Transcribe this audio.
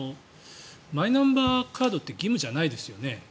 マイナンバーカードって義務じゃないですよね。